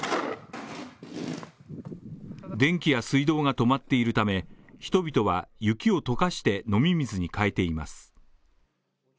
電気や水道が止まっているため人々は雪をとかして、飲み水に変えています。